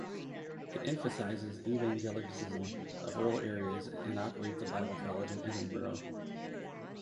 It emphasizes evangelism of rural areas and operates a Bible College in Edinburgh.